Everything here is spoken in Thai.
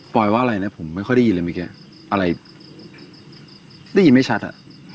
ปล่อยว่าอะไรนะผมไม่ค่อยได้ยินเลยมีแค่อะไรได้ยินไม่ชัดอะ